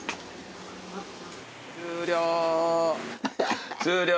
終了！